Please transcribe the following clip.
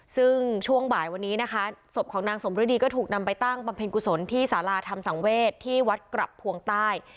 ซึ่งช่วงบ่ายวันนี้นะคะศพของนางสมฤดีก็ถูกนำไปตั้งบำเพ็ญกุศลที่สาราธรรมสังเวศที่วัดกระพวงใต้